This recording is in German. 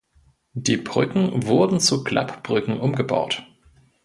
Die Brücken wurden zu Klappbrücken umgebaut.